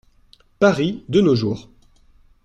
Paris, de nos jours.